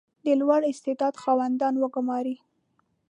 • د لوړ استعداد خاوندان وګمارئ.